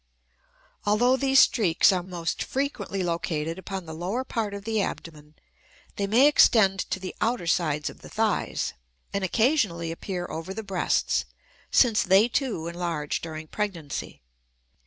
Although these streaks are most frequently located upon the lower part of the abdomen, they may extend to the outer sides of the thighs; and occasionally appear over the breasts, since they too enlarge during pregnancy.